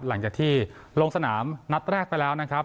หลังจากที่ลงสนามนัดแรกไปแล้วนะครับ